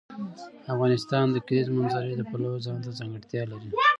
افغانستان د د کلیزو منظره د پلوه ځانته ځانګړتیا لري.